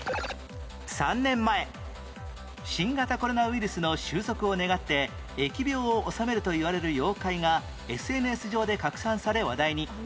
３年前新型コロナウイルスの終息を願って疫病をおさめるといわれる妖怪が ＳＮＳ 上で拡散され話題に